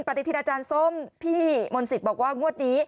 ปฏิทินอาจารย์ส้มพี่มนต์สิทธิ์บอกว่างวดนี้